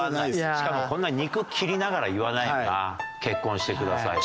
しかもこんな肉切りながら言わないよな「結婚してください」って。